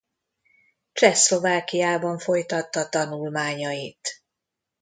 Csehszlovákiában folytatta tanulmányait.